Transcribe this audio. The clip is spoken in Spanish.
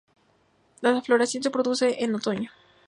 Las floración se produce en otoño.